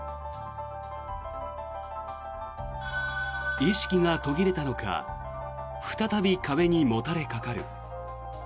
意識が途切れたのか再び壁にもたれかかる。